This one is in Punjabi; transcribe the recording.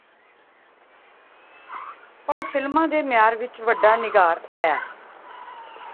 ਪਰ ਫਿਲਮਾਂ ਦੇ ਮਿਆਰ ਵਿਚ ਵੱਡਾ ਨਿਘਾਰ ਆਇਆ